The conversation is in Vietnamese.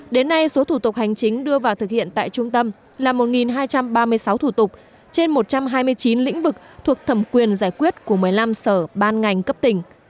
đến nay số thủ tục hành chính đưa vào thực hiện tại trung tâm là một hai trăm ba mươi sáu thủ tục trên một trăm hai mươi chín lĩnh vực thuộc thẩm quyền giải quyết của một mươi năm sở ban ngành cấp tỉnh